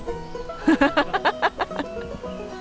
ハハハハ！